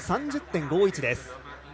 ３０．５１です。